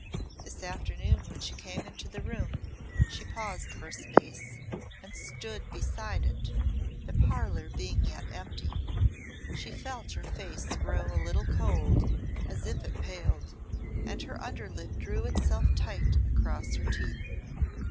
This afternoon when she came into the room she paused for a space, and stood beside it, the parlour being yet empty. She felt her face grow a little cold, as if it paled, and her under lip drew itself tight across her teeth.